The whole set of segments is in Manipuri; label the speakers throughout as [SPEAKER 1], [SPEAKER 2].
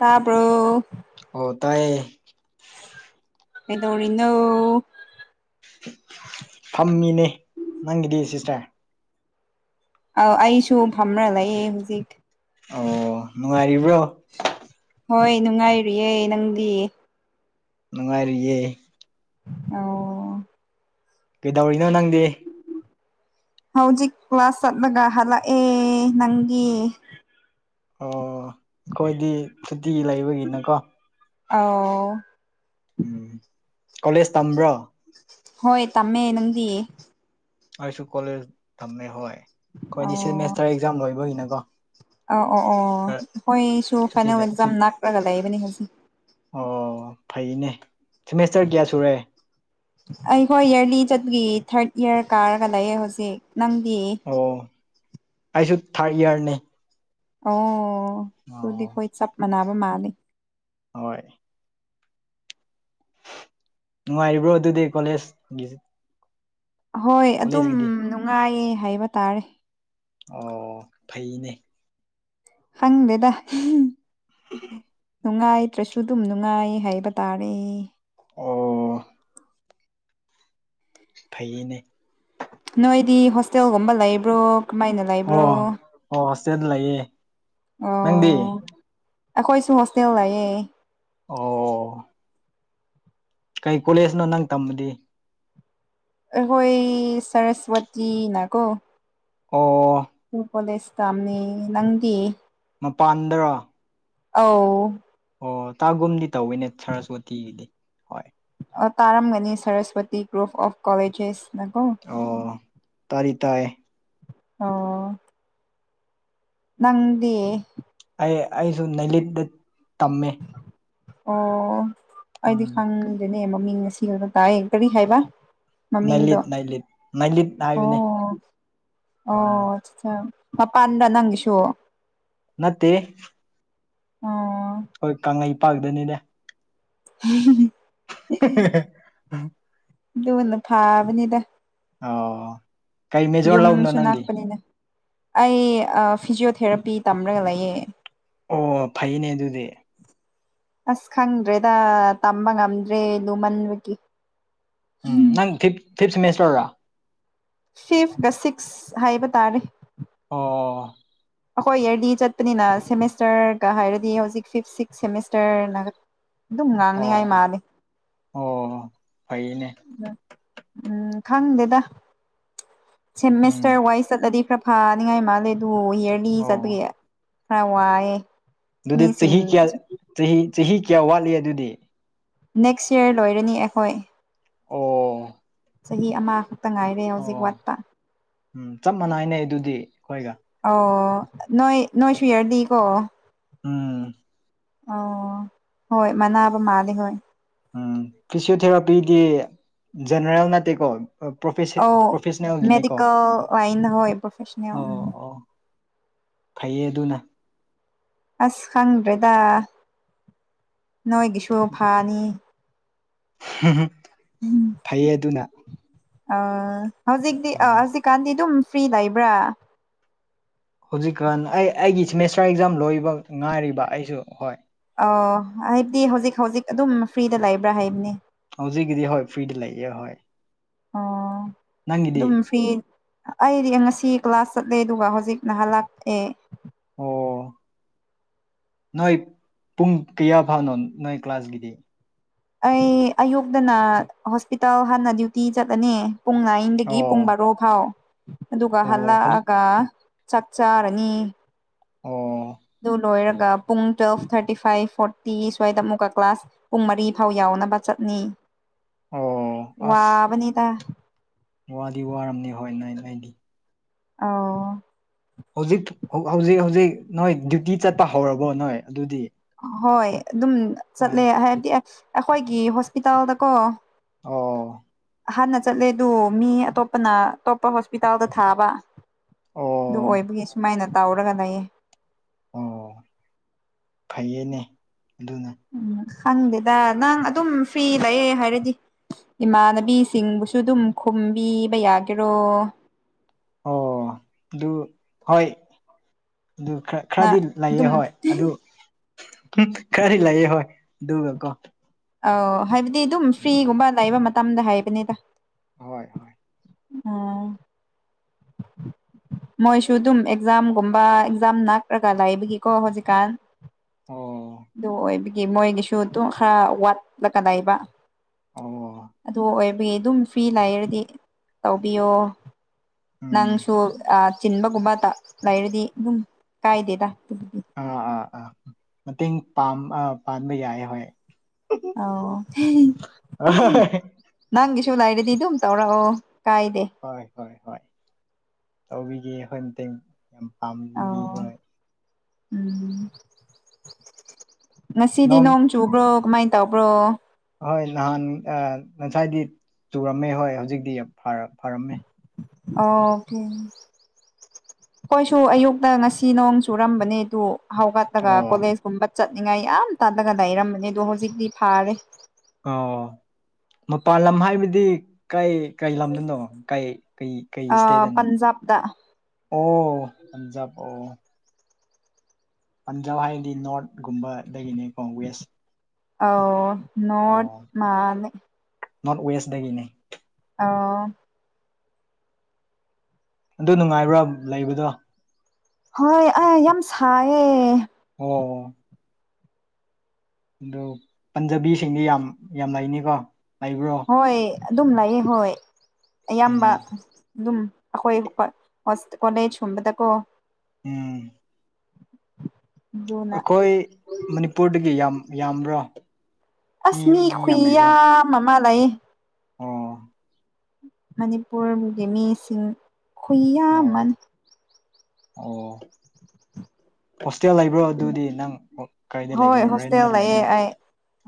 [SPEAKER 1] ꯇꯥꯕ꯭ꯔꯣ
[SPEAKER 2] ꯑꯣ ꯇꯥꯏꯌꯦ
[SPEAKER 1] ꯀꯩꯗꯧꯔꯤꯅꯣ
[SPEAKER 2] ꯐꯝꯃꯤꯅꯦ ꯅꯪꯒꯤꯗꯤ ꯁꯤꯁꯇꯔ
[SPEAKER 1] ꯑ ꯑꯩꯁꯨ ꯐꯝꯔ ꯂꯩꯌꯦ ꯍꯧꯖꯤꯛ
[SPEAKER 2] ꯑꯣ ꯅꯨꯡꯉꯥꯏꯔꯤꯕ꯭ꯔꯣ
[SPEAKER 1] ꯍꯣꯏ ꯅꯨꯡꯉꯥꯏꯔꯤꯌꯦ ꯅꯪꯗꯤ
[SPEAKER 2] ꯅꯨꯡꯉꯥꯏꯔꯤꯌꯦ
[SPEAKER 1] ꯑꯣ
[SPEAKER 2] ꯀꯩꯗꯧꯔꯤꯅꯣ ꯅꯪꯗꯤ
[SPEAKER 1] ꯍꯧꯖꯤꯛ ꯀ꯭ꯂꯥꯁ ꯆꯠꯂꯒ ꯍꯜꯂꯛꯑꯦ ꯅꯪꯒꯤ
[SPEAKER 2] ꯑꯣ ꯈꯣꯏꯗꯤ ꯁꯨꯇꯤ ꯂꯩꯕꯒꯤꯅꯀꯣ
[SPEAKER 1] ꯑꯥꯎ
[SPEAKER 2] ꯎꯝ ꯀꯣꯂꯦꯖ ꯇꯝꯕ꯭ꯔꯣ
[SPEAKER 1] ꯍꯣꯏ ꯇꯝꯃꯦ ꯅꯪꯗꯤ
[SPEAKER 2] ꯑꯩꯁꯨ ꯀꯣꯂꯦꯖ ꯇꯝꯃꯦ ꯍꯣꯏ ꯈꯣꯏꯗꯤ ꯁꯤꯃꯦꯁꯇꯔ ꯑꯦꯛꯖꯥꯝ ꯂꯣꯏꯕꯒꯤꯅꯦꯀꯣ
[SPEAKER 1] ꯑ ꯑꯣ ꯑꯣ ꯈꯣꯏꯁꯨ
[SPEAKER 2] ꯁꯨꯇꯤ
[SPEAKER 1] ꯐꯥꯏꯅꯦꯜ
[SPEAKER 2] ꯂꯩ
[SPEAKER 1] ꯑꯦꯛꯖꯝ ꯅꯥꯥꯛꯂꯒ ꯂꯩꯕꯅꯦ ꯍꯣꯁꯤ
[SPEAKER 2] ꯑꯣ ꯐꯩꯅꯦ ꯁꯦꯃꯦꯁꯇꯔ ꯀꯌꯥ ꯁꯨꯔꯦ
[SPEAKER 1] ꯑꯩꯈꯣꯏ ꯏꯔꯂꯤ ꯆꯠꯄꯒꯤ ꯊꯥꯔꯠ ꯏꯌꯥꯔ ꯀꯥꯔꯒ ꯂꯩꯌꯦ ꯍꯧꯖꯤꯛ ꯅꯪꯗꯤ
[SPEAKER 2] ꯑꯣ ꯑꯩꯁꯨ ꯊꯥꯔꯠ ꯏꯌꯥꯔꯅꯦ
[SPEAKER 1] ꯑꯣ ꯑꯗꯨꯨꯗꯤ
[SPEAKER 2] ꯑꯣ
[SPEAKER 1] ꯈꯣꯏ ꯆꯞ ꯃꯥꯟꯅꯕ ꯃꯥꯜꯂꯤ
[SPEAKER 2] ꯍꯣꯏ ꯅꯨꯡꯉꯥꯏꯔꯤꯕ꯭ꯔꯣ ꯑꯗꯨꯗꯤ ꯀꯣꯂꯦꯖ ꯒꯤ
[SPEAKER 1] ꯍꯣꯏ ꯑꯗꯨꯝ ꯅꯨꯡꯉꯥꯏꯌꯦ ꯍꯥꯏꯕ ꯇꯥꯔꯦ
[SPEAKER 2] ꯑꯣ ꯐꯩꯅꯦ
[SPEAKER 1] ꯐꯪꯗꯦꯗ
[SPEAKER 2] ꯎꯝ
[SPEAKER 1] ꯅꯨꯡꯉꯥꯏꯇ꯭ꯔꯁꯨ ꯗꯨꯝ ꯅꯨꯡꯉꯥꯏ ꯍꯥꯏꯕ ꯇꯥꯔꯦ
[SPEAKER 2] ꯑꯣ ꯐꯩꯌꯦꯅꯦ
[SPEAKER 1] ꯅꯣꯏꯗꯤ ꯍꯣꯁꯇꯦꯜꯒꯨꯝꯕ ꯂꯩꯕ꯭ꯔꯣ ꯀꯃꯥꯏꯅ
[SPEAKER 2] ꯑꯣ
[SPEAKER 1] ꯂꯩꯕ꯭ꯔꯣ
[SPEAKER 2] ꯑꯣ ꯍꯣꯁꯇꯦꯜ ꯂꯩꯌꯦ ꯅꯪꯗꯤ
[SPEAKER 1] ꯑꯈꯣꯏꯁꯨ ꯍꯣꯁꯇꯦꯜ ꯂꯩꯌꯦ
[SPEAKER 2] ꯑꯣ ꯑꯣ ꯀꯩ ꯀꯣꯂꯦꯖꯅꯣ ꯅꯪ ꯇꯝꯕꯗꯤ
[SPEAKER 1] ꯑꯩꯈꯣꯏ ꯁꯔꯁ꯭ꯋꯇꯤꯅꯀꯣ
[SPEAKER 2] ꯑꯣ
[SPEAKER 1] [unintelligible] ꯀꯣꯂꯦꯖꯇꯝꯅꯤ ꯅꯪꯗꯤ
[SPEAKER 2] ꯃꯄꯥꯟꯗꯔꯣ
[SPEAKER 1] ꯑꯧ
[SPEAKER 2] ꯑꯣ ꯇꯥꯒꯨꯝꯗꯤ ꯇꯧꯋꯤꯅꯦ ꯁꯥꯔꯁꯋꯥꯇꯤꯒꯤꯗꯤ
[SPEAKER 1] ꯑꯣ ꯇꯥꯔꯝꯒꯅꯤ ꯁꯥꯔꯁꯋꯥꯇꯤ ꯒ꯭ꯔꯨꯐ ꯑꯣꯐ ꯀꯣꯂꯦꯖꯦꯁ ꯅ ꯀꯣ
[SPEAKER 2] ꯑꯣ ꯇꯥꯔꯤ ꯇꯥꯏ
[SPEAKER 1] ꯑꯣ ꯅꯪꯗꯤ
[SPEAKER 2] ꯑꯩ ꯑꯩꯁꯨ ꯅꯩꯂꯤꯠꯗ ꯇꯝꯃꯦ
[SPEAKER 1] ꯑꯣ ꯑꯩꯗꯤ
[SPEAKER 2] ꯎꯝ
[SPEAKER 1] ꯈꯪꯗꯦꯅꯦ ꯃꯃꯤꯡ ꯉꯁꯤꯈꯛꯇ ꯇꯥꯏꯌꯦ ꯀꯔꯤ ꯍꯥꯏꯕ ꯃꯃꯤꯡꯗꯣ
[SPEAKER 2] ꯅꯩꯂꯤꯠ ꯅꯩꯂꯤꯠ ꯅꯩꯂꯤꯠ
[SPEAKER 1] ꯑꯣ
[SPEAKER 2] ꯍꯥꯏꯕꯅꯦ ꯑꯣ
[SPEAKER 1] ꯑꯣꯆ ꯆꯥꯝ ꯃꯄꯥꯟꯗ ꯅꯪꯒꯤꯁꯨ
[SPEAKER 2] ꯅꯠꯇꯦ
[SPEAKER 1] ꯑꯣ
[SPEAKER 2] ꯍꯣꯏ ꯀꯪꯂꯩꯩꯄꯥꯛꯗꯅꯤꯗ
[SPEAKER 1] ꯍꯨꯝ ꯍꯨꯝ
[SPEAKER 2] [unintelligible]
[SPEAKER 1] ꯗꯨꯅ ꯐꯥꯕꯅꯤꯗ
[SPEAKER 2] ꯑꯩ ꯀꯩ ꯃꯦꯖꯣꯔ ꯂꯧꯕꯅꯣ
[SPEAKER 1] ꯌꯨꯝꯁꯨ
[SPEAKER 2] ꯅꯪꯗꯤ
[SPEAKER 1] ꯅꯛꯄꯅꯤꯅ ꯑꯩ ꯑ ꯐꯤꯖꯤꯌꯣ ꯊꯦꯔꯥꯄꯤ ꯇꯝꯔꯒ ꯂꯩꯌꯦ
[SPEAKER 2] ꯑꯣ ꯐꯩꯅꯦ ꯑꯗꯨꯗꯤ
[SPEAKER 1] ꯑꯁ ꯈꯪꯗ꯭ꯔꯦꯗ ꯇꯝꯕ ꯉꯝꯗ꯭ꯔꯦ ꯂꯨꯃꯟꯕꯒꯤ
[SPEAKER 2] ꯎꯝ ꯅꯪ ꯐꯤꯞ ꯐꯤꯞ ꯁꯦꯃꯦꯁꯇꯔ ꯔꯥ
[SPEAKER 1] ꯐꯤꯞꯀ ꯁꯤꯛꯁ ꯍꯥꯏꯕ ꯇꯥꯔꯦ
[SPEAKER 2] ꯑꯣ
[SPEAKER 1] [inaudible] ꯑꯈꯣꯏ ꯌꯔꯂꯤ ꯆꯠꯄꯅꯤꯅ ꯁꯦꯃꯦꯁꯇꯔ ꯒꯍꯥꯏꯔꯗꯤ ꯍꯧꯖꯤꯛ ꯐꯤꯐ ꯁꯤꯛꯁ ꯁꯦꯃꯦꯁꯇꯔꯅꯒ ꯗꯨꯝ ꯉꯥꯡꯅꯤꯡꯉꯥꯏ
[SPEAKER 2] ꯑꯣ
[SPEAKER 1] ꯃꯥꯜꯂꯦ
[SPEAKER 2] ꯑꯣ ꯐꯩꯌꯦꯅꯦ
[SPEAKER 1] ꯎꯝ ꯈꯪꯗꯦꯗ
[SPEAKER 2] ꯎꯝ
[SPEAKER 1] ꯁꯦꯃꯦꯁꯇꯔ ꯋꯥꯏꯆ ꯆꯠꯂꯗꯤ ꯈꯔ ꯐꯥꯅꯤꯡꯉꯥꯏ ꯃꯥꯜꯂꯦ ꯑꯗꯨꯕꯨ ꯌꯔꯂꯤ ꯆꯠꯄꯒꯤ
[SPEAKER 2] ꯑꯣ
[SPEAKER 1] ꯈꯔ ꯋꯥꯏꯑꯦ
[SPEAKER 2] ꯗꯨꯗꯤ
[SPEAKER 1] ꯃꯤꯁꯤꯡ
[SPEAKER 2] ꯆꯍꯤ ꯀꯌꯥ ꯆꯍꯤ ꯆꯍꯤ ꯀꯌꯥ ꯋꯥꯠꯂꯤ ꯑꯗꯨꯗꯤ
[SPEAKER 1] ꯅꯦꯛꯁ ꯌꯥꯔ ꯂꯣꯏꯔꯅꯤ ꯑꯩꯈꯣꯏ
[SPEAKER 2] ꯑꯣ
[SPEAKER 1] ꯆꯍꯤ ꯑꯃ
[SPEAKER 2] ꯑꯣ ꯎꯝ ꯆꯞ ꯃꯥꯟꯅꯩꯅꯦ ꯑꯗꯨꯗꯤ ꯈꯣꯏꯒ
[SPEAKER 1] ꯑꯣ ꯅꯣꯏ ꯅꯣꯏ ꯁꯨ ꯌꯥꯔꯂꯤ ꯀꯣ
[SPEAKER 2] ꯎꯝ
[SPEAKER 1] ꯑꯣ ꯍꯣꯏ ꯃꯅꯥꯟꯅꯕ ꯃꯥꯜꯂꯦ ꯍꯣꯏ
[SPEAKER 2] ꯎꯝ ꯐꯤꯖꯤꯌꯣ ꯊꯦꯔꯥꯄꯤꯗꯤ ꯖꯦꯅꯦꯔꯦꯜ ꯅꯠꯇꯦꯀꯣ ꯑ ꯄ꯭ꯔꯣꯐꯦꯁꯦ
[SPEAKER 1] ꯑꯧ
[SPEAKER 2] ꯄ꯭ꯔꯣꯐꯦꯁꯅꯦꯜꯒꯤꯅꯦꯀꯣ
[SPEAKER 1] ꯃꯦꯗꯤꯀꯦꯜ ꯂꯥꯏꯟ ꯍꯣꯏ ꯄ꯭ꯔꯣꯐꯦꯁꯅꯦꯜ
[SPEAKER 2] ꯑꯣ
[SPEAKER 1] ꯎꯝ
[SPEAKER 2] ꯑꯣ ꯐꯩꯌꯦ ꯑꯗꯨꯅ
[SPEAKER 1] ꯑꯁ ꯈꯪꯗ꯭ꯔꯦꯗ ꯅꯣꯏꯒꯤꯁꯨ ꯐꯅꯤ
[SPEAKER 2] ꯐꯩꯌꯦ ꯑꯗꯨꯅ
[SPEAKER 1] ꯑ ꯍꯧꯖꯤꯛꯇꯤ ꯑ
[SPEAKER 2] ꯎꯝ
[SPEAKER 1] ꯍꯧꯖꯤꯛꯀꯥꯟꯗꯤ ꯑꯗꯨꯝ ꯐ꯭ꯔꯤ ꯂꯩꯕ꯭ꯔꯥ
[SPEAKER 2] ꯍꯧꯖꯤꯛꯀꯥꯟ ꯑꯩ ꯑꯩꯒꯤ ꯁꯦꯃꯦꯁꯇ꯭ꯔ ꯑꯦꯛꯖꯥꯝ ꯂꯣꯏꯕ ꯉꯥꯏꯔꯤꯕ ꯑꯩꯁꯨ ꯍꯣꯏ
[SPEAKER 1] ꯑꯣ ꯍꯥꯏꯕꯗꯤ ꯍꯧꯖꯤꯛ ꯍꯧꯖꯤꯛ ꯑꯗꯨꯝ ꯐ꯭ꯔꯤꯗ ꯂꯩꯕ꯭ꯔꯥ ꯍꯥꯏꯕꯅꯤ
[SPEAKER 2] ꯍꯧꯖꯤꯛꯀꯤꯗꯤ ꯍꯣꯏ ꯐ꯭ꯔꯤꯗ ꯂꯩꯌꯦ ꯍꯣꯏ
[SPEAKER 1] ꯑꯣ
[SPEAKER 2] ꯅꯪꯒꯤꯗꯤ
[SPEAKER 1] ꯑꯗꯨꯝ ꯐ꯭ꯔꯤ ꯑꯩꯗꯤ ꯉꯁꯤ ꯀ꯭ꯂꯥꯁ ꯆꯠꯂꯦ ꯑꯗꯨꯒ ꯍꯧꯖꯤꯛꯅ ꯍꯜꯂꯛꯑꯦ
[SPEAKER 2] ꯑꯣ ꯅꯣꯏ ꯄꯨꯡ ꯀꯌꯥ ꯐꯥꯎꯅꯣ ꯅꯣꯏ ꯀ꯭ꯂꯥꯁꯀꯤꯗꯤ
[SPEAKER 1] ꯑꯩ ꯑꯌꯨꯛꯇꯅ ꯍꯣꯁꯄꯤꯇꯥꯜ ꯍꯥꯟꯅ ꯗ꯭ꯌꯨꯇꯤ ꯆꯠꯂꯅꯤ ꯄꯨꯡ ꯗꯒꯤ ꯄꯨꯡ
[SPEAKER 2] ꯑꯣ
[SPEAKER 1] ꯕꯥꯔꯣ ꯐꯥꯎ ꯑꯗꯨꯒ
[SPEAKER 2] ꯑꯣ ꯍꯧꯖꯤꯛ
[SPEAKER 1] ꯍꯜꯂꯛꯑꯒ ꯆꯥꯛ ꯆꯥꯔꯅꯤ
[SPEAKER 2] ꯑꯣ
[SPEAKER 1] ꯑꯗꯨ ꯂꯣꯏꯔꯒ ꯄꯨꯡ ꯇꯨꯋꯦꯜꯐ ꯊ꯭ꯔꯇꯤ ꯐꯥꯏꯚ ꯐꯣꯔꯇꯤ ꯁ꯭ꯋꯥꯏꯗ ꯑꯃꯨꯛꯀ ꯀ꯭ꯂꯥꯁ ꯄꯨꯡ ꯃꯔꯤ ꯐꯥꯎ ꯌꯥꯎꯅꯕ ꯆꯠꯅꯤ
[SPEAKER 2] ꯑꯣ ꯑꯁ
[SPEAKER 1] ꯋꯥꯕꯅꯤꯗ
[SPEAKER 2] ꯋꯥꯗꯤ ꯋꯥꯔꯝꯅꯤ ꯍꯣꯏ ꯅꯣꯏ ꯅꯣꯏꯒꯤ
[SPEAKER 1] ꯑꯥꯎ
[SPEAKER 2] ꯍꯧꯖꯤꯛ ꯍꯧꯖꯤꯛ ꯍꯧꯖꯤꯛ ꯅꯣꯏ ꯗ꯭ꯌꯨꯇꯤ ꯆꯠꯄ ꯍꯧꯔꯕꯣ ꯅꯣꯏ ꯑꯗꯨꯗꯤ
[SPEAKER 1] ꯍꯣꯏ ꯑꯗꯨꯝ ꯆꯠꯂꯦ
[SPEAKER 2] ꯑꯁ
[SPEAKER 1] ꯍꯥꯏꯕꯗꯤ ꯑꯩꯈꯣꯏꯒꯤ ꯍꯣꯁꯄꯤꯇꯥꯜꯗꯀꯣ
[SPEAKER 2] ꯑꯣ
[SPEAKER 1] ꯑꯍꯥꯟꯅ ꯆꯠꯂꯦ ꯑꯗꯨ ꯃꯤ ꯑꯇꯣꯞꯄꯅ ꯑꯇꯣꯞꯄ ꯍꯣꯁꯄꯤꯇꯥꯜꯗ ꯊꯥꯕ ꯑꯗꯨ
[SPEAKER 2] ꯑꯣ
[SPEAKER 1] ꯑꯣꯏꯕꯒꯤ ꯁꯨꯃꯥꯏꯅ ꯇꯧꯔꯒ ꯂꯩꯌꯦ
[SPEAKER 2] ꯑꯣ ꯐꯩꯌꯦꯅꯦ ꯑꯗꯨꯅ
[SPEAKER 1] ꯎꯝ ꯈꯪꯗꯦꯗ ꯅꯪ ꯑꯗꯨꯝ ꯐ꯭ꯔꯤ ꯂꯩꯌꯦ ꯍꯥꯏꯔꯗꯤ ꯏꯃꯥꯟꯅꯕꯤꯁꯤꯡꯕꯨꯁꯨ ꯑꯗꯨꯝ ꯈꯨꯝꯕꯤꯕ ꯌꯥꯒꯦꯔꯣ
[SPEAKER 2] ꯑꯣ ꯑꯗꯨ ꯍꯣꯏ ꯑꯗꯨ ꯈꯔ
[SPEAKER 1] ꯅ
[SPEAKER 2] ꯈꯔꯗꯤ ꯂꯩꯌꯦ
[SPEAKER 1] ꯑꯗꯨꯝ
[SPEAKER 2] ꯍꯣꯏ ꯑꯗꯨ ꯈꯔꯗꯤ ꯂꯩꯌꯦ ꯍꯣꯏ ꯑꯗꯨꯒ ꯀꯣ
[SPEAKER 1] ꯑꯧ ꯍꯥꯏꯕꯗꯤ ꯑꯗꯨꯝ
[SPEAKER 2] ꯎꯝ
[SPEAKER 1] ꯐ꯭ꯔꯤꯒꯨꯝꯕ ꯂꯩꯕ ꯃꯇꯝꯗ ꯍꯥꯏꯕꯅꯤꯗ
[SPEAKER 2] ꯍꯣꯏ ꯍꯣꯏ
[SPEAKER 1] ꯑꯣ ꯃꯣꯏꯁꯨ ꯑꯗꯨꯝ ꯑꯦꯛꯖꯥꯝꯒꯨꯝꯕ ꯑꯦꯛꯖꯥꯝ ꯅꯥꯛꯂꯒ ꯂꯩꯕꯒꯤꯀꯣ ꯍꯧꯖꯤꯛꯀꯥꯟ
[SPEAKER 2] ꯑꯣ
[SPEAKER 1] ꯑꯗꯨ ꯑꯣꯏꯕꯒꯤ ꯃꯣꯏꯒꯤꯁꯨ ꯑꯗꯨꯝ ꯈꯔ ꯋꯥꯠꯂꯀ ꯂꯩꯕ
[SPEAKER 2] ꯑꯣ
[SPEAKER 1] ꯑꯗꯨ ꯑꯣꯏꯕꯒꯤ ꯑꯗꯨꯝ ꯐ꯭ꯔꯤ ꯂꯩꯔꯗꯤ ꯇꯧꯕꯤꯌꯣ
[SPEAKER 2] ꯎꯝ
[SPEAKER 1] ꯅꯪꯁꯨ ꯑꯥ ꯆꯤꯟꯕ ꯒꯨꯝꯕꯇ ꯂꯩꯔꯗꯤ ꯑꯗꯨꯝ ꯀꯥꯏꯗꯦꯗ
[SPEAKER 2] ꯑꯥ ꯑꯥ ꯑꯥ ꯃꯇꯦꯡ ꯄꯥꯝ ꯑꯥ ꯄꯥꯟꯕ ꯌꯥꯏꯌꯦ ꯍꯣꯏ
[SPEAKER 1] ꯑꯥꯎ [unintelligible] ꯅꯪꯒꯤꯁꯨ ꯂꯩꯔꯗꯤ ꯑꯗꯨꯝ ꯇꯧꯔꯛꯑꯣ ꯀꯥꯏꯗꯦ
[SPEAKER 2] ꯍꯣꯏ ꯍꯣꯏ ꯍꯣꯏ ꯇꯧꯕꯤꯒꯦ ꯈꯣꯏ ꯃꯇꯦꯡ ꯌꯥꯝ ꯄꯥꯝꯕ ꯃꯤꯅꯤ
[SPEAKER 1] ꯑꯧ
[SPEAKER 2] ꯍꯣꯏ
[SPEAKER 1] ꯎꯝ ꯉꯥꯁꯤꯗꯤ ꯅꯣꯡ ꯆꯨ ꯆꯨꯕ꯭ꯔꯣ ꯀꯃꯥꯏ ꯇꯧꯕ꯭ꯔꯣ
[SPEAKER 2] ꯍꯣꯏ ꯅꯍꯥꯟ ꯑ ꯉꯁꯥꯏꯗꯤ ꯆꯨꯔꯝꯃꯦ ꯍꯣꯏ ꯍꯧꯖꯤꯛꯇꯤ ꯐꯔ ꯐꯔꯝꯃꯦ
[SPEAKER 1] ꯑꯣꯀꯦ ꯈꯣꯏꯁꯨ ꯑꯌꯨꯛꯇ ꯉꯁꯤ ꯅꯣꯡ ꯆꯨꯔꯝꯕꯅꯦ ꯑꯗꯨ ꯍꯧꯒꯠꯂꯒ
[SPEAKER 2] ꯑꯣ
[SPEAKER 1] ꯀꯣꯂꯦꯖ ꯀꯨꯝꯕ ꯆꯠꯅꯤꯡꯉꯥꯏ ꯌꯥꯝ ꯇꯥꯜꯂꯒ ꯂꯩꯔꯝꯕꯅꯦ ꯗꯣ ꯍꯧꯖꯤꯛꯇꯤ ꯐꯥꯔꯦ
[SPEAKER 2] ꯑꯣ ꯃꯄꯥꯟ ꯂꯝ ꯍꯥꯏꯕꯗꯤ ꯀꯩ ꯀꯩ ꯂꯝꯗꯅꯣ ꯀꯩ ꯀꯩ ꯀꯩ ꯏꯁꯇꯦꯗꯅꯣ
[SPEAKER 1] ꯄꯟꯖꯥꯕꯇ
[SPEAKER 2] ꯑꯣ ꯄꯟꯖꯥꯕ ꯑꯣ ꯄꯟꯖꯥꯞ ꯍꯥꯏꯔꯗꯤ ꯅꯣꯔꯠꯒꯨꯝꯕꯗꯒꯤꯅꯤꯀꯣ ꯋꯦꯁ
[SPEAKER 1] ꯑꯥꯎ ꯅꯣꯠ
[SPEAKER 2] ꯑꯣ
[SPEAKER 1] ꯃꯥꯜꯂꯦ
[SPEAKER 2] ꯅꯣꯔꯠ ꯋꯦꯁꯗꯒꯤꯅꯦ
[SPEAKER 1] ꯑꯥꯎ
[SPEAKER 2] ꯑꯗꯨ ꯅꯨꯡꯉꯥꯏꯕ꯭ꯔꯥ ꯂꯩꯕꯗꯣ
[SPEAKER 1] ꯍꯣꯏ ꯑ ꯌꯥꯝ ꯁꯥꯏꯌꯦ
[SPEAKER 2] ꯑꯣ ꯑꯗꯨ ꯄꯟꯖꯥꯕꯤꯁꯤꯡꯗꯤ ꯌꯥꯝ ꯌꯥꯝ ꯂꯩꯅꯤꯀꯣ ꯂꯩꯕ꯭ꯔꯣ
[SPEAKER 1] ꯍꯣꯏ ꯑꯗꯨꯝ ꯂꯩꯌꯦ ꯍꯣꯏ ꯑꯌꯥꯝꯕ
[SPEAKER 2] ꯎꯝ
[SPEAKER 1] ꯗꯨꯝ ꯑꯩꯈꯣꯏ [unintelligible] ꯀꯣꯂꯦꯖꯀꯨꯝꯕꯗꯀꯣ
[SPEAKER 2] ꯎꯝ
[SPEAKER 1] ꯑꯗꯨꯅ
[SPEAKER 2] ꯑꯩꯈꯣꯏ ꯃꯅꯤꯄꯨꯔꯗꯒꯤ ꯌꯥꯝ ꯌꯥꯝꯕ꯭ꯔꯥ
[SPEAKER 1] ꯑꯁ ꯃꯤ ꯈꯨꯌꯥꯝ ꯑꯃ ꯂꯩ
[SPEAKER 2] ꯑꯣ
[SPEAKER 1] ꯃꯅꯤꯄꯨꯔꯒꯤ ꯃꯤꯁꯤꯡ ꯈꯨꯌꯥꯝ
[SPEAKER 2] ꯑꯣ
[SPEAKER 1] ꯑꯃꯅꯤ
[SPEAKER 2] ꯑꯣ ꯍꯣꯁꯇꯦꯜ ꯂꯩꯕ꯭ꯔꯣ ꯑꯗꯨꯗꯤ ꯅꯪ ꯀꯥꯏꯗ
[SPEAKER 1] ꯍꯣꯏ
[SPEAKER 2] ꯂꯩꯕ꯭ꯔꯣ ꯔꯦꯟꯗ
[SPEAKER 1] ꯍꯣꯁꯇꯦꯜ ꯂꯩꯌꯦ
[SPEAKER 2] ꯂꯩꯕ꯭ꯔꯣ
[SPEAKER 1] ꯑꯩ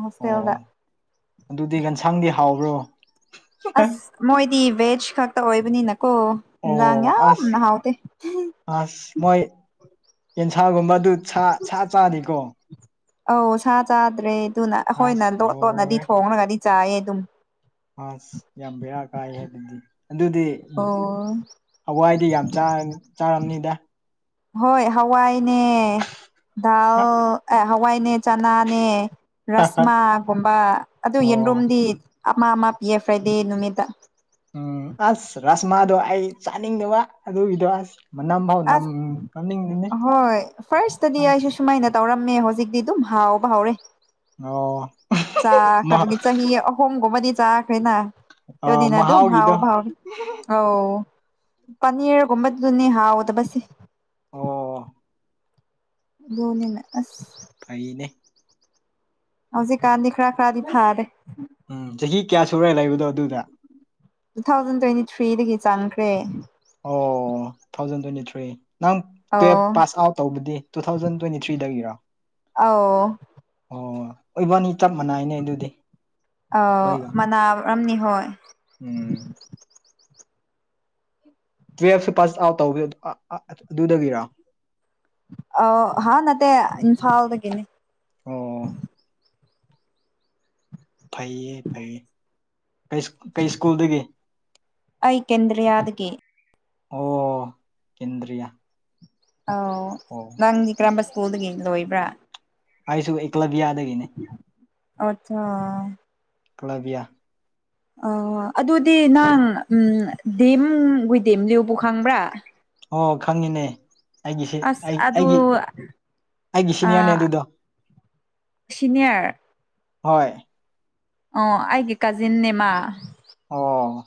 [SPEAKER 1] ꯍꯣꯁꯇꯦꯜꯗ
[SPEAKER 2] ꯑꯣ ꯑꯗꯨꯗꯤ ꯌꯦꯟꯁꯥꯡꯗꯤ ꯍꯥꯎꯕ꯭ꯔꯣ
[SPEAKER 1] ꯑꯁ ꯃꯣꯏꯗꯤ ꯕꯦꯖ ꯈꯛꯇ ꯑꯣꯏꯕꯅꯤꯅꯀꯣ ꯏꯟꯖꯥꯡ
[SPEAKER 2] ꯑꯣ ꯑꯁ
[SPEAKER 1] ꯌꯥꯝꯅ ꯍꯥꯎꯇꯦ [unintelligible]
[SPEAKER 2] ꯑꯁ ꯃꯣꯏ ꯌꯦꯟꯁꯥꯒꯨꯝꯕꯗꯨ ꯁꯥ ꯁꯥ ꯆꯥꯗꯦꯀꯣ
[SPEAKER 1] ꯑꯧ ꯁꯥ ꯆꯥꯗ꯭ꯔꯦ ꯑꯗꯨꯅ ꯑꯩꯈꯣꯏꯅ
[SPEAKER 2] ꯑꯁ
[SPEAKER 1] ꯂꯣꯠ ꯂꯣꯠꯅꯗꯤ
[SPEAKER 2] ꯂꯣꯏꯔꯦ
[SPEAKER 1] ꯊꯣꯡꯂꯒꯗꯤ ꯆꯥꯏꯌꯦ ꯗꯨꯝ
[SPEAKER 2] ꯑꯁ ꯌꯥꯝ ꯕꯦꯔꯥ ꯀꯥꯏꯍꯦ ꯑꯗꯨꯗꯤ ꯑꯗꯨꯗꯤ ꯎꯝ
[SPEAKER 1] ꯑꯣ
[SPEAKER 2] ꯍꯋꯥꯏꯗꯤ ꯌꯥꯝ ꯆꯥꯡ ꯆꯥꯔꯝꯅꯤꯗ
[SPEAKER 1] ꯍꯣꯏ ꯍꯋꯥꯏꯅꯦ ꯗꯥꯜ ꯑꯦ ꯍꯋꯥꯏꯅꯦ ꯆꯅꯥꯅꯦ ꯔꯁꯃꯥꯒꯨꯝꯕ ꯑꯗꯨ
[SPEAKER 2] ꯑꯣ
[SPEAKER 1] ꯌꯦꯟꯔꯨꯝꯗꯤ ꯑꯃ ꯑꯃ ꯄꯤꯌꯦ ꯐ꯭ꯔꯥꯏꯗꯦ ꯅꯨꯃꯤꯠꯇ
[SPEAKER 2] ꯎꯝ ꯑꯁ ꯔꯥꯁꯃꯥꯗꯣ ꯑꯩ ꯆꯥꯅꯤꯡꯗꯕ ꯑꯗꯨꯒꯤꯗꯣ ꯑꯁ ꯃꯅꯝ ꯐꯥꯎ ꯅꯝ
[SPEAKER 1] ꯑꯁ
[SPEAKER 2] ꯅꯝꯅꯤꯡꯗꯦꯅꯦ
[SPEAKER 1] ꯍꯣꯏ ꯐꯥꯔꯁꯇꯗꯤ ꯑꯩꯁꯨ
[SPEAKER 2] ꯑꯁ
[SPEAKER 1] ꯁꯨꯃꯥꯏꯅ ꯇꯧꯔꯝꯃꯦ ꯍꯧꯖꯤꯛꯇꯤ ꯑꯗꯨꯝ ꯍꯥꯎꯕ ꯍꯧꯔꯦ
[SPEAKER 2] ꯑꯣ ꯃ
[SPEAKER 1] ꯆꯥꯈ꯭ꯔꯕꯅꯤ ꯆꯍꯤ ꯑꯍꯨꯝꯒꯨꯝꯕꯗꯤ ꯆꯥꯈ꯭ꯔꯦꯅ
[SPEAKER 2] ꯑ
[SPEAKER 1] ꯑꯗꯨꯅꯤꯅ ꯑꯗꯨꯝ
[SPEAKER 2] ꯃꯍꯥꯎꯒꯤꯗꯣ
[SPEAKER 1] ꯍꯥꯎꯕ ꯍꯧꯔꯦ ꯑꯧ ꯄꯅꯤꯔꯒꯨꯝꯕꯗꯨꯅꯤ ꯍꯥꯎꯗꯕꯁꯦ
[SPEAKER 2] ꯑꯣ
[SPEAKER 1] ꯕꯨꯅꯤꯅ ꯑꯁ
[SPEAKER 2] ꯐꯩꯅꯦ
[SPEAKER 1] ꯍꯧꯖꯤꯛꯀꯥꯟꯗꯤ ꯈꯔꯥ ꯈꯔꯥꯗꯤ ꯐꯥꯔꯦ
[SPEAKER 2] ꯎꯝ ꯆꯍꯤ ꯀꯌꯥ ꯁꯨꯔꯦ ꯂꯩꯕꯗꯣ ꯑꯗꯨꯗ
[SPEAKER 1] ꯇꯨ ꯊꯥꯎꯖꯟ ꯇ꯭ꯋꯦꯟꯇꯤ ꯊ꯭ꯔꯤꯗꯒꯤ ꯆꯪꯈ꯭ꯔꯦ
[SPEAKER 2] ꯑꯣ ꯇꯨꯊꯥꯎꯖꯟ ꯇ꯭ꯋꯦꯟꯇꯤ ꯊ꯭ꯔꯤ ꯅꯪ ꯇꯨꯋꯦꯞ
[SPEAKER 1] ꯑꯧ
[SPEAKER 2] ꯄꯥꯁ ꯑꯥꯎꯠ ꯇꯧꯕꯗꯤ ꯇꯨ ꯊꯥꯎꯖꯟ ꯇ꯭ꯋꯦꯟꯇꯤ ꯊ꯭ꯔꯤꯗꯒꯤꯔꯥ
[SPEAKER 1] ꯑꯧ
[SPEAKER 2] ꯑꯣ ꯏꯕꯥꯅꯤ ꯆꯞ ꯃꯥꯟꯅꯩꯅꯦ ꯑꯗꯨꯗꯤ ꯍꯣꯏꯒ
[SPEAKER 1] ꯔꯝꯅꯤ ꯍꯣꯏ
[SPEAKER 2] ꯎꯝ ꯇꯨꯌꯦꯜꯞꯁꯨ ꯄꯥꯁ ꯑꯥꯎꯠ ꯇꯧꯋꯦ ꯑ ꯑ ꯗꯨꯗꯒꯤꯔ
[SPEAKER 1] ꯑꯧ ꯍꯥ ꯅꯠꯇꯦ ꯏꯝꯐꯥꯜꯗꯒꯤꯅꯦ
[SPEAKER 2] ꯑꯣ ꯐꯩꯌꯦ ꯐꯩꯌꯦ ꯀꯩꯁ ꯀꯩ ꯁ꯭ꯀꯨꯜꯗꯒꯤ
[SPEAKER 1] ꯑꯩ ꯀꯦꯟꯗ꯭ꯔꯤꯌꯥꯗꯒꯤ
[SPEAKER 2] ꯑꯣ ꯀꯦꯟꯗ꯭ꯔꯤꯌꯥ
[SPEAKER 1] ꯑꯧ
[SPEAKER 2] ꯑꯣ
[SPEAKER 1] ꯅꯪꯗꯤ ꯀꯔꯝꯕ ꯁ꯭ꯀꯨꯜꯗꯒꯤ ꯂꯣꯏꯕ꯭ꯔꯥ
[SPEAKER 2] ꯑꯩꯁꯨ ꯑꯦꯀ꯭ꯂꯥꯕꯤꯌꯥꯗꯒꯤꯅꯦ
[SPEAKER 1] ꯑꯥꯠꯆꯥ
[SPEAKER 2] ꯀ꯭ꯂꯥꯕꯤꯌꯥ
[SPEAKER 1] ꯑꯧ ꯑꯗꯨꯗꯤ ꯅꯪ ꯎꯝ ꯗꯤꯝ ꯋꯤꯗꯤꯝꯂꯤꯌꯨꯕꯨ ꯈꯪꯕ꯭ꯔꯥ
[SPEAKER 2] ꯑꯣ ꯈꯪꯉꯤꯅꯦ ꯑꯩꯒꯤꯁꯦ
[SPEAKER 1] ꯑꯁ
[SPEAKER 2] ꯑꯩ
[SPEAKER 1] ꯑꯗꯨ
[SPEAKER 2] ꯑꯩꯒꯤ ꯑꯩꯒꯤ
[SPEAKER 1] ꯑ
[SPEAKER 2] ꯁꯤꯅꯤꯌꯔꯅꯦ ꯑꯗꯨꯗꯣ
[SPEAKER 1] ꯁꯤꯅꯤꯌꯔ
[SPEAKER 2] ꯍꯣꯏ
[SPEAKER 1] ꯑꯣ ꯑꯩꯒꯤ ꯀꯖꯤꯟꯅꯦ ꯃꯥ
[SPEAKER 2] ꯑꯣ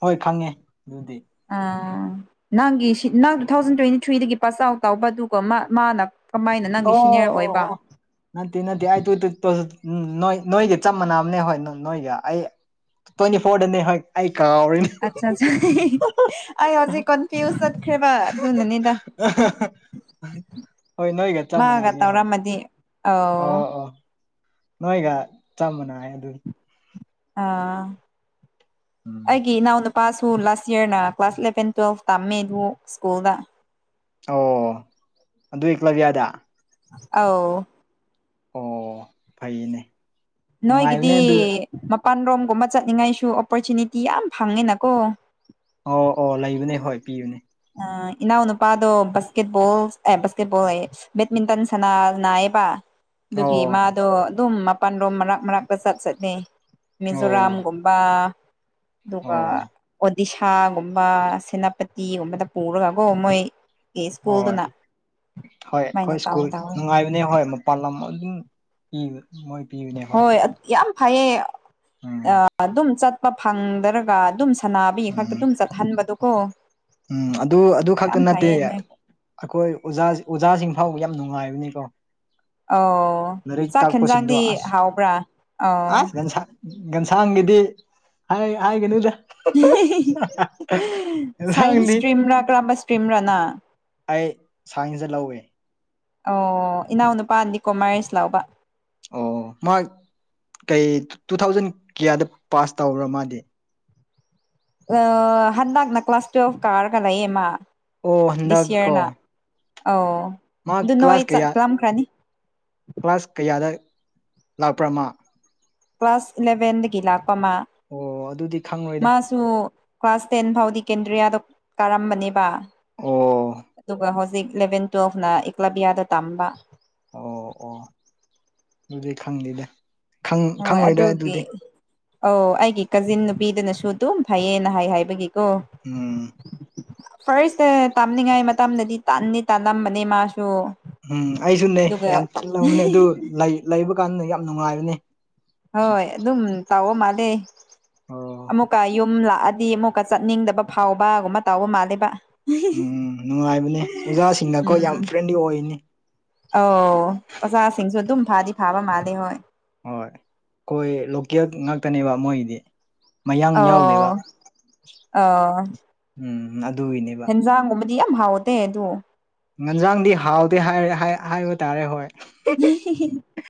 [SPEAKER 2] ꯍꯣꯏ ꯈꯪꯉꯦ ꯑꯗꯨꯗꯤ
[SPEAKER 1] ꯑꯥ ꯅꯪꯒꯤ ꯁꯤꯠ ꯅꯪ ꯇꯨꯊꯥꯎꯖꯟ ꯇ꯭ꯋꯦꯟꯇꯤ ꯊ꯭ꯔꯤꯗꯒꯤ ꯄꯥꯁ ꯑꯥꯎꯠ ꯇꯧꯕ ꯑꯗꯨꯒꯥ ꯃꯥ ꯃꯥꯅ ꯀꯃꯥꯏꯅ
[SPEAKER 2] ꯑꯣ
[SPEAKER 1] ꯅꯪꯒꯤ
[SPEAKER 2] ꯑꯣ
[SPEAKER 1] ꯁꯤꯅꯤꯌꯔ
[SPEAKER 2] ꯑꯣ
[SPEAKER 1] ꯑꯣꯏꯕ
[SPEAKER 2] ꯑꯣ ꯑꯣ ꯅꯠꯇꯦ ꯅꯠꯇꯦ ꯑꯩ ꯇꯨ ꯇꯨ [unintelligible] ꯎꯝ ꯅꯣꯏ ꯅꯣꯏꯒ ꯆꯞ ꯃꯥꯟꯅꯕꯅꯦ ꯍꯣꯏ ꯅꯣꯏꯒ ꯑꯩ ꯇ꯭ꯋꯦꯟꯇꯤ ꯐꯣꯔ ꯗꯅꯦ ꯍꯣꯏ ꯑꯩ ꯀꯥꯎꯔꯦꯅꯦ
[SPEAKER 1] ꯑꯠꯆꯥꯆꯥ ꯑꯩ ꯍꯧꯖꯤꯛ ꯀꯟꯐ꯭ꯌꯨꯁ ꯆꯠꯈ꯭ꯔꯦꯕ ꯑꯗꯨꯅꯅꯤꯗ
[SPEAKER 2] [unintelligible] ꯍꯣꯏ ꯅꯣꯏꯒ ꯆꯞ
[SPEAKER 1] ꯃꯥꯒ
[SPEAKER 2] ꯃꯥꯟꯅꯕꯅꯦ ꯍꯣꯏ
[SPEAKER 1] ꯇꯧꯔꯝꯃꯗꯤ ꯑꯣ
[SPEAKER 2] ꯅꯣꯏꯒ ꯆꯞ ꯃꯥꯟꯅꯩꯑꯦ ꯑꯗꯨ
[SPEAKER 1] ꯑꯥ
[SPEAKER 2] ꯎꯝ
[SPEAKER 1] ꯑꯩꯒꯤ ꯏꯅꯥꯎꯅꯨ ꯄꯥꯁꯨ ꯂꯥꯁ ꯏꯌꯔꯅ ꯀ꯭ꯂꯥꯁ ꯏꯂꯕꯦꯟ ꯇꯨꯌꯦꯜꯐ ꯇꯝꯃꯦ ꯑꯗꯨ ꯁ꯭ꯀꯨꯜꯗ
[SPEAKER 2] ꯑꯣ ꯑꯗꯨ ꯏꯛꯀ꯭ꯂꯕꯤꯌꯥꯗ
[SPEAKER 1] ꯑꯧ
[SPEAKER 2] ꯑꯣ ꯐꯩꯅꯦ ꯅꯨꯡꯉꯥꯏꯕꯅꯦ
[SPEAKER 1] ꯅꯣꯏꯒꯤꯗꯤ
[SPEAKER 2] ꯑꯗꯨ
[SPEAKER 1] ꯃꯄꯥꯟ ꯔꯣꯝꯒꯨꯝꯕ ꯆꯠꯅꯤꯡꯉꯥꯏꯁꯨ ꯑꯣꯄꯣꯔꯆꯨꯅꯤꯇꯤ ꯌꯥꯝ ꯐꯪꯉꯤꯅꯀꯣ
[SPEAKER 2] ꯑꯣ ꯑꯣ ꯂꯩꯕꯅꯦ ꯍꯣꯏ ꯄꯤꯕꯅꯦ
[SPEAKER 1] ꯑꯥ ꯏꯅꯥꯎꯅꯨꯄꯥꯗꯣ ꯕꯥꯁꯀꯦꯠꯕꯣꯜ ꯑꯦ ꯕꯥꯁꯀꯦꯠꯕꯣꯜ ꯑꯌꯦ ꯕꯦꯠꯃꯤꯟꯇꯟ ꯁꯥꯟꯅ ꯅꯩꯌꯦꯕꯥ ꯗꯨꯒꯤ
[SPEAKER 2] ꯑꯣ
[SPEAKER 1] ꯃꯥꯗꯣ ꯑꯗꯨꯝ ꯃꯄꯥꯜꯂꯣꯝ ꯃꯔꯛ ꯃꯔꯛꯇ ꯆꯠ ꯆꯠꯂꯤ
[SPEAKER 2] ꯑꯣ
[SPEAKER 1] ꯃꯤꯖꯣꯔꯥꯝꯒꯨꯝꯕ ꯑꯗꯨꯒ
[SPEAKER 2] ꯑꯣ
[SPEAKER 1] ꯑꯣꯗꯤꯁꯥꯒꯨꯝ ꯕꯥ ꯁꯦꯅꯥꯄꯇꯤꯒꯨꯝꯕꯗ ꯄꯨꯔꯒꯀꯣ ꯃꯣꯏ ꯑꯦ
[SPEAKER 2] ꯍꯣꯏ
[SPEAKER 1] ꯁ꯭ꯀꯨꯜꯗꯨꯅ
[SPEAKER 2] ꯍꯣꯏ ꯍꯣꯏ
[SPEAKER 1] ꯁꯨꯃꯥꯏꯅ ꯇꯧ
[SPEAKER 2] ꯁ꯭ꯀꯨꯜ
[SPEAKER 1] ꯇꯧꯋꯦ
[SPEAKER 2] ꯅꯨꯡꯉꯥꯏꯕꯅꯦ ꯍꯣꯏ ꯃꯥ ꯄꯥꯂꯝ ꯑꯗꯨꯝ ꯏꯕ ꯁꯨ ꯃꯣꯏ
[SPEAKER 1] ꯍꯣꯏ ꯑ ꯌꯥꯝ ꯐꯩꯌꯦ
[SPEAKER 2] ꯎꯝ
[SPEAKER 1] ꯑꯥ ꯑꯗꯨꯝ ꯆꯠꯄ ꯐꯪꯗ꯭ꯔꯒ ꯑꯗꯨꯝ ꯁꯅꯥꯥꯕꯤ ꯈꯛꯇ
[SPEAKER 2] ꯎꯝ
[SPEAKER 1] ꯑꯗꯨꯝ ꯆꯠꯍꯟꯕꯗꯣ ꯀꯣ
[SPEAKER 2] ꯎꯝ ꯑꯗꯨ ꯑꯗꯨ ꯈꯛꯇ ꯅꯠꯇꯦꯌꯦ ꯑꯩꯈꯣꯏ ꯑꯣꯖꯥ ꯑꯣꯖꯥꯁꯤꯡ ꯐꯥꯎꯕ ꯌꯥꯝ ꯅꯨꯡꯉꯥꯏꯕꯅꯤꯀꯣ
[SPEAKER 1] ꯑꯧ
[SPEAKER 2] ꯂꯥꯏꯔꯤꯛ
[SPEAKER 1] ꯆꯥꯛ
[SPEAKER 2] ꯇꯥꯛꯄꯁꯤꯡꯗꯣ
[SPEAKER 1] ꯌꯦꯟꯖꯥꯡꯗꯤ
[SPEAKER 2] ꯑꯁ
[SPEAKER 1] ꯍꯥꯎꯕ꯭ꯔꯥ ꯑꯧ
[SPEAKER 2] ꯑꯥ ꯂꯟꯁꯥ ꯒꯟꯁꯥꯡꯒꯤꯗꯤ ꯍꯥꯏ ꯍꯥꯏꯒꯅꯨꯗꯥ [unintelligible]
[SPEAKER 1] ꯁꯥꯏꯟꯁ ꯁ꯭ꯇ꯭ꯔꯤꯝ ꯔꯥ ꯀꯔꯝꯕꯥ ꯁ꯭ꯇ꯭ꯔꯤꯝꯔꯥ ꯅ
[SPEAKER 2] ꯑꯩ ꯁꯥꯏꯟꯁꯗ ꯂꯧꯑꯦ
[SPEAKER 1] ꯑꯣ ꯏꯅꯥꯎ ꯅꯨꯄꯥꯗꯤ ꯀꯣꯃ꯭ꯔꯁ ꯂꯧꯕ
[SPEAKER 2] ꯑꯣ ꯃꯥ ꯀꯩ ꯇꯨꯊꯥꯎꯖꯟ ꯀꯤꯌꯥꯗ ꯄꯥꯁ ꯇꯧꯕꯔ ꯃꯥꯗꯤ
[SPEAKER 1] ꯑ ꯍꯟꯗꯛꯅ ꯀ꯭ꯂꯥꯁ ꯇꯨꯌꯦꯜꯐ ꯀꯥꯔꯒ ꯂꯩꯌꯦ ꯃꯥ
[SPEAKER 2] ꯑꯣ
[SPEAKER 1] ꯗꯤꯁ
[SPEAKER 2] ꯍꯟꯗꯛ ꯀꯣ
[SPEAKER 1] ꯏꯌꯔꯅ ꯑꯧ
[SPEAKER 2] ꯃꯥ ꯀ꯭ꯂꯥꯁ ꯀꯌꯥ
[SPEAKER 1] ꯆꯠꯂꯝꯈ꯭ꯔꯅꯤ
[SPEAKER 2] ꯀ꯭ꯂꯥꯁ ꯀꯌꯥꯗ ꯂꯥꯛꯄ꯭ꯔ ꯃꯥ
[SPEAKER 1] ꯀ꯭ꯂꯥꯁ ꯏꯂꯚꯦꯟꯗꯒꯤ ꯂꯥꯛꯄ ꯃꯥ
[SPEAKER 2] ꯑꯣ ꯑꯗꯨꯗꯤ ꯈꯪꯉꯣꯏꯗ
[SPEAKER 1] ꯇꯨ ꯀ꯭ꯂꯥꯁ ꯇꯦꯟ ꯐꯥꯎꯗꯤ ꯀꯦꯟꯗ꯭ꯔꯤꯌꯥꯗ ꯀꯥꯔꯝꯕꯅꯦꯕ
[SPEAKER 2] ꯑꯣ
[SPEAKER 1] ꯑꯗꯨꯒ ꯍꯧꯖꯤꯛ ꯏꯂꯚꯦꯟ ꯇꯨꯋꯦꯜꯐꯅ ꯑꯦꯀꯂꯥꯕ꯭ꯤꯌꯥꯗ ꯇꯝꯕ
[SPEAKER 2] ꯑꯣ ꯑꯣ ꯑꯗꯨꯗꯤ ꯈꯪꯗꯦꯗ ꯈꯪ
[SPEAKER 1] ꯍꯣꯏ
[SPEAKER 2] ꯈꯪꯉꯣꯏꯗ
[SPEAKER 1] ꯑꯗꯨꯒꯤ
[SPEAKER 2] ꯑꯗꯨꯗꯤ
[SPEAKER 1] ꯑꯧ ꯑꯩꯒꯤ ꯀꯖꯤꯟ ꯅꯨꯄꯤꯗꯅꯁꯨ ꯑꯗꯨꯝ ꯐꯩꯌꯦꯅ ꯍꯥꯏ ꯍꯥꯏꯕꯒꯤꯀꯣ
[SPEAKER 2] ꯎꯝ
[SPEAKER 1] ꯐꯔꯁꯁꯦ ꯇꯝꯅꯤꯡꯉꯥꯏ ꯃꯇꯝꯗꯗꯤ ꯇꯟꯗꯤ ꯇꯜꯂꯝꯕꯅꯤ ꯃꯥꯁꯨ
[SPEAKER 2] ꯎꯝ ꯑꯩꯁꯨꯅꯦ
[SPEAKER 1] ꯑꯗꯨꯒ
[SPEAKER 2] ꯌꯥꯝ ꯇꯜꯂꯕꯅꯦ ꯑꯗꯨ ꯂꯩ ꯂꯩꯕ ꯀꯥꯟꯗ ꯌꯥꯝ ꯅꯨꯡꯉꯥꯏꯕꯅꯦ
[SPEAKER 1] ꯍꯣꯏ ꯑꯗꯨꯝ ꯇꯥꯎꯕ ꯃꯥꯂꯦ
[SPEAKER 2] ꯑꯣ
[SPEAKER 1] ꯑꯃꯨꯛꯀ ꯌꯨ ꯁꯨꯝ ꯂꯥꯛꯑꯗꯤ ꯑꯃꯨꯛꯀ ꯆꯠꯅꯤꯡꯗꯕ ꯐꯥꯎꯕꯒꯨꯝꯕ ꯇꯥꯎꯕ ꯃꯥꯜꯂꯦꯕ
[SPEAKER 2] ꯎꯝ ꯅꯨꯡꯉꯥꯏꯕꯅꯦ ꯑꯣꯖꯥꯁꯤꯡꯅꯀꯣ ꯌꯥꯝ
[SPEAKER 1] ꯎꯝ
[SPEAKER 2] ꯐ꯭ꯔꯦꯟꯂꯤ ꯑꯣꯏꯅꯤ
[SPEAKER 1] ꯑꯧ ꯑꯣꯖꯥꯁꯤꯡꯁꯨ ꯑꯗꯨꯝ ꯐꯥꯗꯤ ꯐꯥꯕ ꯃꯥꯜꯂꯦ ꯍꯣꯏ
[SPEAKER 2] ꯍꯣꯏ ꯀꯣꯢ ꯂꯣꯀꯦꯜ ꯉꯥꯛꯇꯅꯦꯕ ꯃꯣꯏꯒꯤꯗꯤ ꯃꯌꯥꯡ ꯌꯥꯎꯗꯦꯕ
[SPEAKER 1] ꯑꯣ ꯑꯣ
[SPEAKER 2] ꯎꯝ ꯑꯗꯨꯒꯤꯅꯦꯕ
[SPEAKER 1] ꯍꯦꯟꯖꯥꯡꯒꯨꯝꯕꯗꯤ ꯌꯥꯝ ꯍꯥꯎꯇꯦ ꯑꯗꯣ
[SPEAKER 2] ꯉꯟꯖꯥꯡꯗꯤ ꯍꯥꯎꯇꯦ ꯍꯥꯏꯔ ꯍꯥꯢ ꯍꯥꯏꯕ ꯇꯥꯔꯦ ꯍꯣꯏ
[SPEAKER 1] ꯅ ꯍꯤ ꯍꯤ